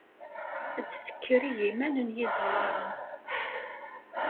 Ad d-tekker igiman n yidulaṛen.